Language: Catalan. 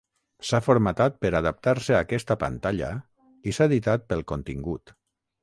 S'ha formatat per adaptar-se a aquesta pantalla i s'ha editat pel contingut.